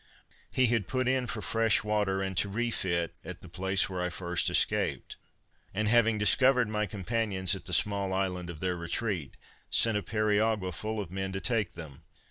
He had put in for fresh water, and to refit, at the place where I first escaped; and, having discovered my companions at the small island of their retreat, sent a periagua full of men to take them.